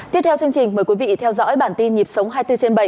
tiếp theo chương trình mời quý vị theo dõi bản tin nhịp sống hai mươi bốn trên bảy